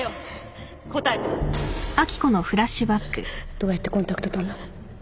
どうやってコンタクト取んの？